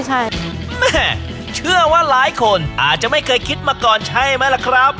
ใช่แม่เชื่อว่าหลายคนอาจจะไม่เคยคิดมาก่อนใช่ไหมล่ะครับ